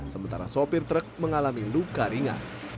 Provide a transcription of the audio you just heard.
sementara sopir truk mengalami luka ringan